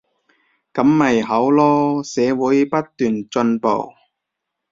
噉咪好囉，社會不斷進步